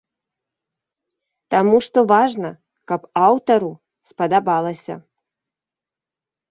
Таму што важна, каб аўтару спадабалася.